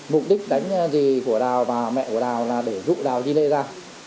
mục đích đánh dì của đào và mẹ của đào là để rụ đào chi lê ra